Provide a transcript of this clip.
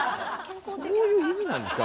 そういう意味なんですか？